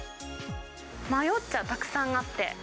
迷っちゃう、たくさんあって。